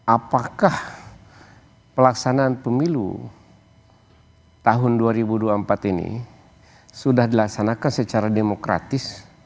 apakah pelaksanaan pemilu tahun dua ribu dua puluh empat ini sudah dilaksanakan secara demokratis